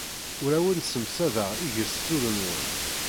Ur awen-ssemsadeɣ igesturen-nwen.